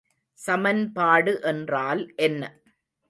சமன்பாடு என்றால் என்ன?